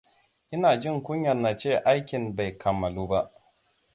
Ina jin kunyar na ce aikin bai kammalu ba.